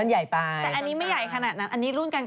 แต่อันนี้ไม่ใหญ่ขนาดนั้นอันนี้รุ่นกลาง